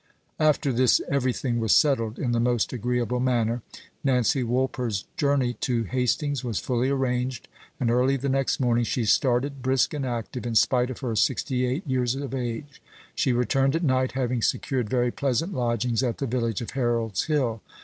After this everything was settled in the most agreeable manner. Nancy Woolper's journey to Hastings was fully arranged; and early the next morning she started, brisk and active, in spite of her sixty eight years of age. She returned at night, having secured very pleasant lodgings at the village of Harold's Hill.